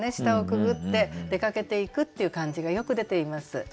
下をくぐって出かけていくっていう感じがよく出ています。